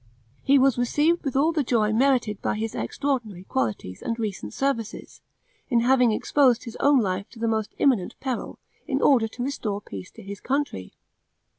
He was received with all the joy merited by his extraordinary qualities and recent services, in having exposed his own life to the most imminent peril, in order to restore peace to his country.